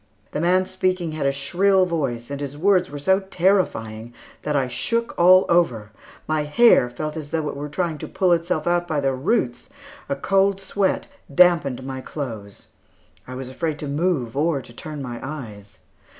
The man speaking had a shrill voice, and his words were so terrifying that I shook all over; my hair felt as though it were trying to pull itself out by its roots; a cold sweat dampened my clothes. I was afraid to move or to turn my eyes.